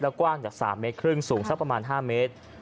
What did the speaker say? กว้างจาก๓เมตรครึ่งสูงสักประมาณ๕เมตร